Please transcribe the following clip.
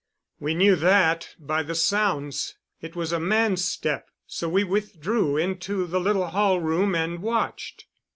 We knew that by the sounds. It was a man's step—so we withdrew into the little hall room and watched."